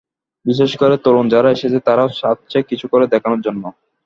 বিশেষ করে তরুণ যারা এসেছে, তারাও চাচ্ছে কিছু করে দেখানোর জন্য।